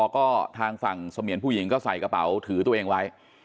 ก็ทางฝั่งเสมียนผู้หญิงก็ใส่กระเป๋าถือตัวเองไว้